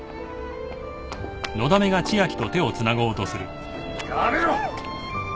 やめろ！